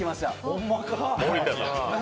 ほんまか？